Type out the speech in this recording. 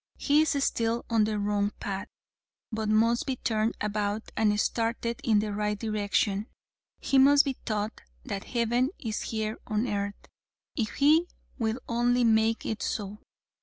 He is still on the wrong path, but must be turned about and started in the right direction. He must be taught that Heaven is here on earth, if he will only make it so.